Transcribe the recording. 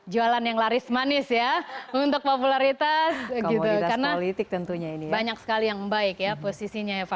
jualan yang laris manis ya untuk popularitas gitu karena banyak sekali yang baik ya posisinya ya pak